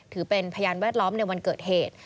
ถือเป็นพยานแวดล้อมในวันเกิดเหตุ